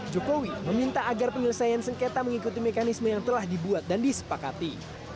jokowi meminta agar penyelesaian sengketa mengikuti mekanisme yang telah dibuat dan disepakati